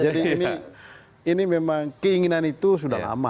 jadi ini memang keinginan itu sudah lama